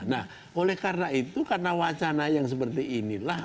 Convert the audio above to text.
nah oleh karena itu karena wacana yang seperti inilah